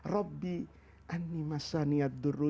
rabbi anni masaniyat durru